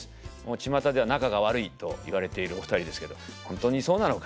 ちまたでは仲が悪いと言われているお二人ですけど本当にそうなのか。